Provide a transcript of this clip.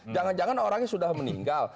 jangan jangan orangnya sudah meninggal